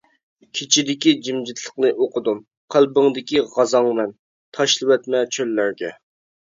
كېچىدىكى جىمجىتلىقنى ئوقۇدۇم، قەلبىڭدىكى غازاڭمەن، تاشلىۋەتمە چۆللەرگە.